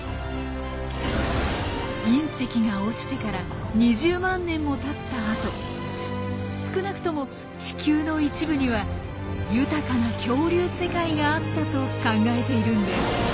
隕石が落ちてから２０万年もたった後少なくとも地球の一部には豊かな恐竜世界があったと考えているんです。